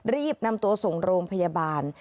รีบนำตัวส่งโรงพยาบาล